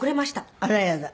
あらやだ。